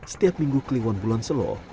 setiap minggu kliwon bulan solo